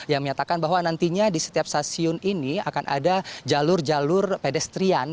yang menyatakan bahwa nantinya di setiap stasiun ini akan ada jalur jalur pedestrian